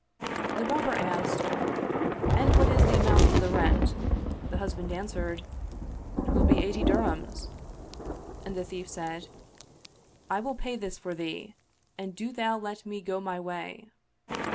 The Robber asked, " And what is the amount of the rent?" The husband answered, " 'Twill be eighty dirhams "; and the thief said, " I will pay this for thee and do thou let me go my way."